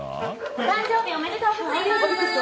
お誕生日おめでとうございまーす！